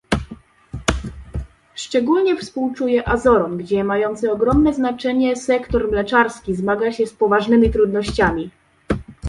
Szczególnie współczuję Azorom, gdzie mający ogromne znaczenie sektor mleczarski zmaga się z poważnymi trudnościami